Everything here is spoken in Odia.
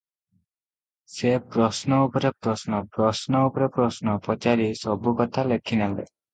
ସେ ପ୍ରଶ୍ନ ଉପରେ ପ୍ରଶ୍ନ- ପ୍ରଶ୍ନ ଉପରେ ପ୍ରଶ୍ନ ପଚାରି ସବୁକଥା ଲେଖି ନେଲେ ।